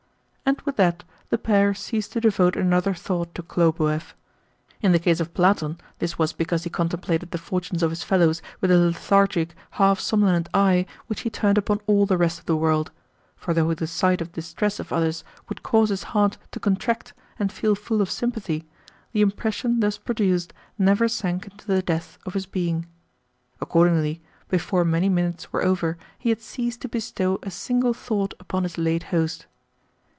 And with that the pair ceased to devote another thought to Khlobuev. In the case of Platon, this was because he contemplated the fortunes of his fellows with the lethargic, half somnolent eye which he turned upon all the rest of the world; for though the sight of distress of others would cause his heart to contract and feel full of sympathy, the impression thus produced never sank into the depths of his being. Accordingly, before many minutes were over he had ceased to bestow a single thought upon his late host.